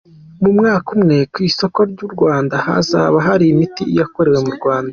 Mu mwaka umwe, ku isoko ry’u Rwanda hazaba hari imiti yakorewe mu Rwanda.